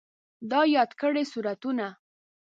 تا یاد کړي سورتونه